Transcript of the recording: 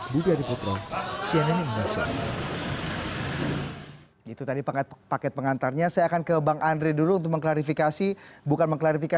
budi adiputro cnn indonesia